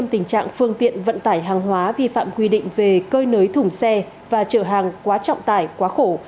trạng phương tiện vận tải hàng hóa vi phạm quy định về cơi nới thủng xe và trợ hàng quá trọng tải quá khổ